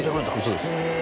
そうです